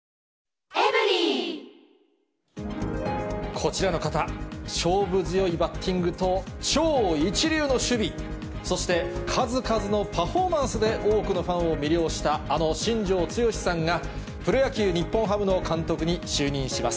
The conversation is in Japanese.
こちらの方、勝負強いバッティングと、超一流の守備、そして、数々のパフォーマンスで多くのファンを魅了した、あの新庄剛志さんが、プロ野球・日本ハムの監督に就任します。